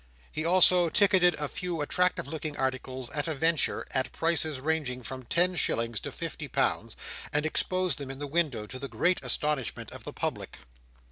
He also ticketed a few attractive looking articles at a venture, at prices ranging from ten shillings to fifty pounds, and exposed them in the window to the great astonishment of the public.